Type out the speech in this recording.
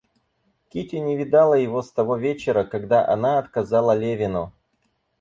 Кити не видала его с того вечера, когда она отказала Левину.